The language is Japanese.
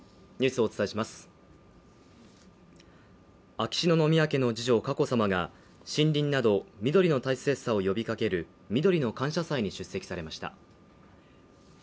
秋篠宮家の次女・佳子さまが森林など緑の大切さを呼びかけるみどりの感謝祭に出席されました。